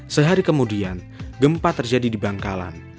sehari kemudian gempa terjadi di bangkalan